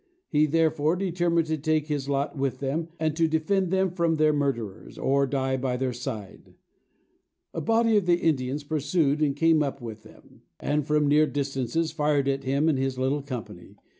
He therefore determined to take his lot with them, and to defend them from their murderers, or die by their side. A body of the Indians pursued, and came up with him; and from near distances fired at him and his little company.